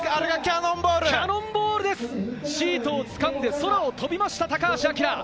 キャノンボール、シートをつかんで空を飛びました、高橋彬。